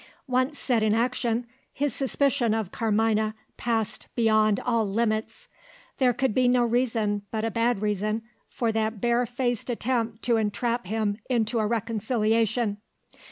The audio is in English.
Once set in action, his suspicion of Carmina passed beyond all limits. There could be no reason but a bad reason for that barefaced attempt to entrap him into a reconciliation.